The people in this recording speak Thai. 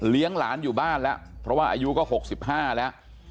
เลี้ยงหลานอยู่บ้านแล้วเพราะว่าอายุก็หกสิบห้าแล้ว